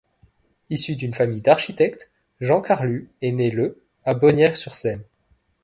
Issu d'une famille d'architectes, Jean Carlu est né le à Bonnières-sur-Seine.